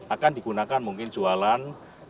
akan digunakan mungkin jualan